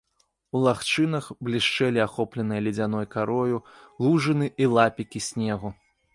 У лагчынах блішчэлі ахопленыя ледзяной карою лужыны і лапікі снегу.